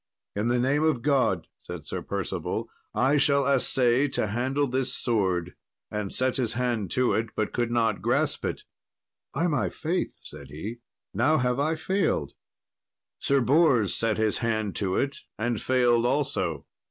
"In the name of God," said Sir Percival, "I shall assay to handle this sword; "and set his hand to it, but could not grasp it. "By my faith," said he, "now have I failed." Sir Bors set his hand to it, and failed also.